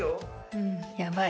うんやばい。